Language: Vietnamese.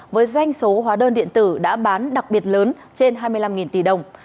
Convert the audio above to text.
với doanh số hóa đơn điện tử đã bán đặc biệt lớn trên hai mươi năm tỷ đồng